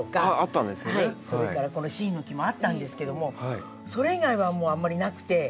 それからこのシイの木もあったんですけどもそれ以外はもうあんまりなくて。